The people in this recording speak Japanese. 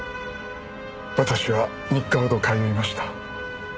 私は３日ほど通いました。